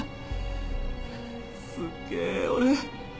すげえ俺。